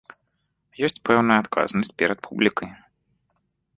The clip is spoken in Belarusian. Ёсць пэўная адказнасць перад публікай.